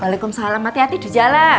waalaikumsalam hati hati di jalan